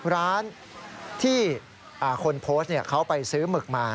ร้านที่คนโพสต์เขาไปซื้อหมึกมา